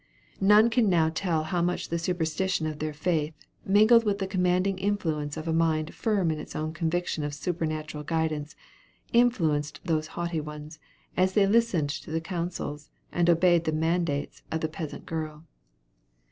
None can now tell how much the superstition of their faith, mingled with the commanding influence of a mind firm in its own conviction of supernatural guidance, influenced those haughty ones, as they listened to the counsels, and obeyed the mandates, of the peasant girl.